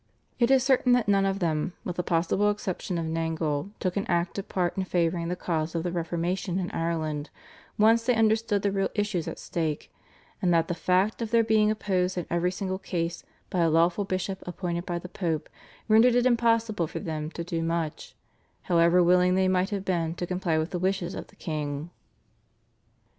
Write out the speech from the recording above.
It is certain that none of them, with the possible exception of Nangle, took an active part in favouring the cause of the Reformation in Ireland once they understood the real issues at stake, and that the fact of their being opposed in every single case by a lawful bishop appointed by the Pope rendered it impossible for them to do much, however willing they might have been to comply with the wishes of the king.